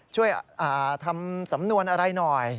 ช่วยทำสำนวนอะไรหน่อย